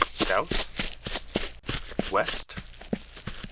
South? West?